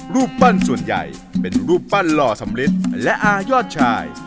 รูปปั้นส่วนใหญ่เป็นรูปปั้นหล่อสำลิดและอายอดชาย